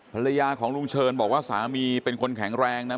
ภรรยาของลุงเชิญบอกว่าสามีเป็นคนแข็งแรงนะ